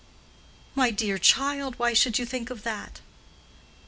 "My dear child, why should you think of that?"